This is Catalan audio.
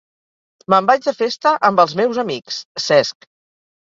Me'n vaig de festa amb els meus amics, Cesc.